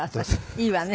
いいわね。